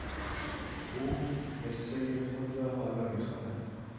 او حصهی خود را حالا میخواهد!